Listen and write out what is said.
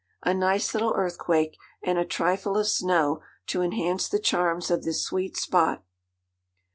A nice little earthquake and a trifle of snow to enhance the charms of this sweet spot.